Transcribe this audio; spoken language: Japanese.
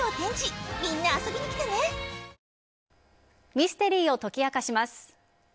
ミステリーを解き明かします。